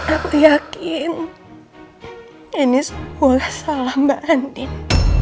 aku yakin ini sebuah salah mbak andin